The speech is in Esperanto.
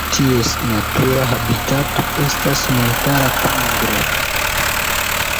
Ties natura habitato estas montara tundro.